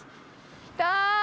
来た！